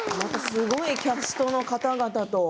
すごいキャストの方々と。